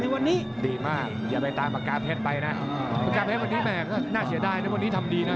แล้วผมเจอกับภอนภานะว่าเป็นยังไงภาร์ดว่าบอกเรื่องการและ่อน